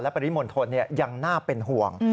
และปริโมนโทนเนี่ยยังน่าเป็นห่วง